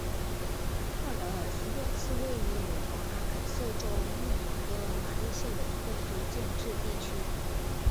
赫德尔斯顿是位于美国阿肯色州蒙哥马利县的一个非建制地区。